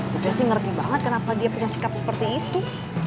kita sih ngerti banget kenapa dia punya sikap seperti itu